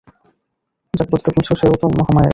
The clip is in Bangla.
যাকে পতিতা বলছ, সেও তো মহামায়াই।